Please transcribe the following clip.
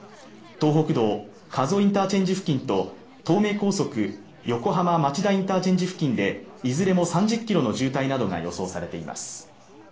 東北道・加須インターチェンジ付近と東名高速・横浜町田インターチェンジ付近でいずれも３０キロの渋滞などが予想されています